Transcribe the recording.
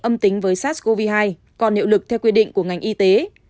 tài xế âm tính với sars cov hai còn liệu lực theo quy định của ngành y tế